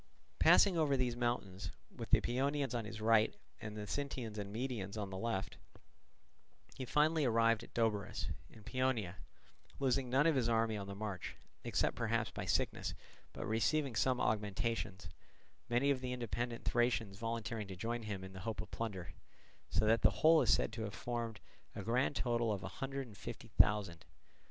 Passing over these mountains, with the Paeonians on his right and the Sintians and Maedians on the left, he finally arrived at Doberus, in Paeonia, losing none of his army on the march, except perhaps by sickness, but receiving some augmentations, many of the independent Thracians volunteering to join him in the hope of plunder; so that the whole is said to have formed a grand total of a hundred and fifty thousand.